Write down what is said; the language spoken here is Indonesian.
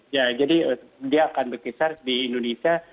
ya jadi dia akan berkisar di indonesia tiga delapan ratus